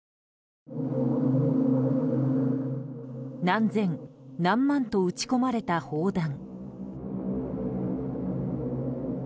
何千、何万と撃ち込まれた砲弾。